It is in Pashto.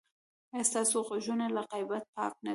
ایا ستاسو غوږونه له غیبت پاک نه دي؟